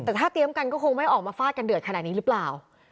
แต่ถ้าเตรียมกันก็คงไม่ออกมาฟาดกันเดือดขนาดนี้หรือเปล่า